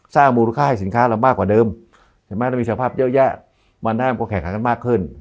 ถ้ามูลค่าให้สินค้าเรามากกว่าเดิมถ้ามีเสียงภาพเยอะวันหน้าก็แข็งกันมากขึ้น